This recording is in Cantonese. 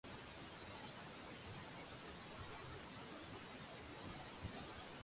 對應八神。其中開、休、生為三吉門